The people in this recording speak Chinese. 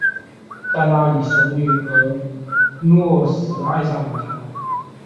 在那里神女俄诺斯爱上了他。